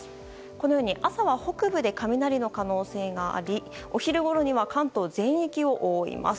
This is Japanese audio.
このように朝は北部で雷の可能性がありお昼ごろには関東全域を覆います。